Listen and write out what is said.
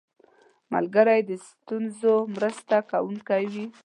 ملګری د ستونزو مرسته کوونکی وي